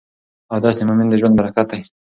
اودس د مؤمن د ژوند برکت دی.